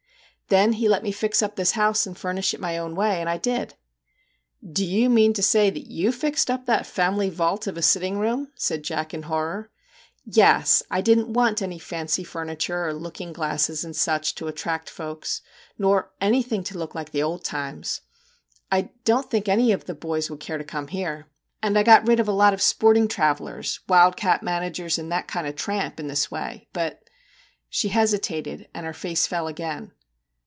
Then he let me fix up this house and furnish it my own way, and I did !'' Do you mean to say that you fixed up that family vault of a sitting room ?' said Jack, in horror. 'Yes, I didn't want any fancy furniture or looking glasses and such like to attract folks, nor anything to look like the old times. I don't think any of the boys would care to come here. And I got rid of a lot of sport ing travellers, ' wild cat ' managers, and that kind of tramp in this way. But ' she hesitated, and her face fell again.